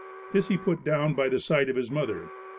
This he put down by the side of his mother.